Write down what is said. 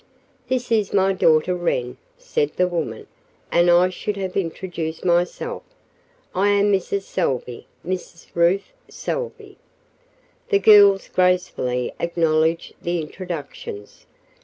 "This is my daughter Wren," said the woman, "and I should have introduced myself. I am Mrs. Salvey Mrs. Ruth Salvey." The girls gracefully acknowledged the introductions.